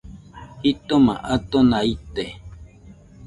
Jitoma atona ite